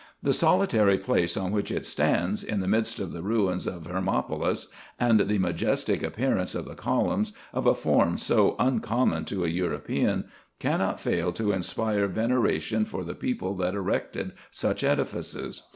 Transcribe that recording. The solitary place on which it stands, in the midst of the ruins of Hermopolis, and the majestic appearance of the columns, of a form so uncommon to a European, cannot fail to inspire veneration for the people that erected such edifices.